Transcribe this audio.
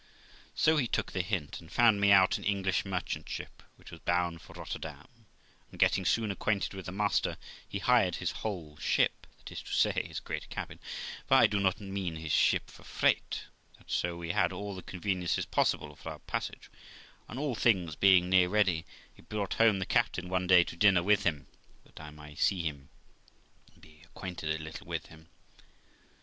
So he took the hint, and found me out an English merchant ship, which was bound for Rotterdam, and getting soon acquainted with the master, he hired his whole ship, that is to say, his great cabin, for I do not mean his ship for freight, that so we had all the conveniences possible for our passage; and all things being near ready, he brought home the captain one day to dinner with him, that I might THE LIFE OF ROXANA 357 see him, and be acquainted a little with him.